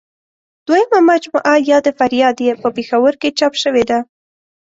دویمه مجموعه یاد فریاد یې په پېښور کې چاپ شوې ده.